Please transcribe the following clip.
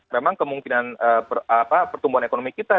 memang kemungkinan pertumbuhan ekonomi kita